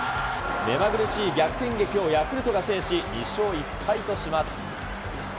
目まぐるしい逆転劇をヤクルトが制し、２勝１敗とします。